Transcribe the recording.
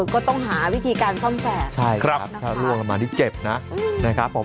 ก็ต้องหาวิธีการซ่อมแสงถ้าร่วงมานี่เจ็บนะ